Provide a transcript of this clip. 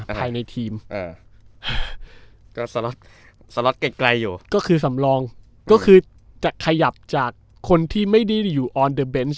ภายในทีมก็สล็อตสล็อตไกลอยู่ก็คือสำรองก็คือจะขยับจากคนที่ไม่ได้อยู่ออนเดอร์เบนส์